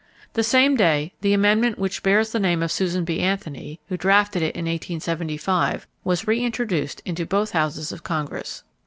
The same day the amendment which bears the name of Susan B. Anthony, who drafted it in 1875, was reintroduced into both houses of Congress.